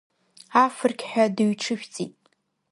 Афырқь ҳәа дыҩҽыжәҵит.